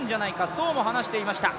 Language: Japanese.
そうも話していました。